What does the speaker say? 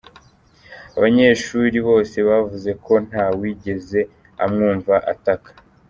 Abanyeshuri bose bavuze ko nta wigeze amwumva ataka.